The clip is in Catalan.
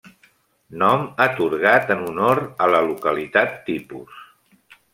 Nom atorgat en honor a la localitat tipus.